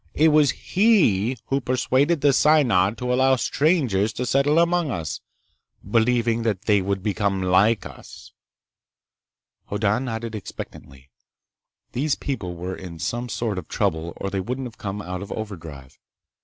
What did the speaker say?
It was he who persuaded the Synod to allow strangers to settle among us, believing that they would become like us." Hoddan nodded expectantly. These people were in some sort of trouble or they wouldn't have come out of overdrive.